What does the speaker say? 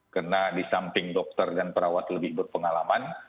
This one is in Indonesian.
karena di samping dokter dan perawat lebih berpengalaman